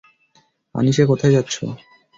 আনিশা কোথায় যাচ্ছো?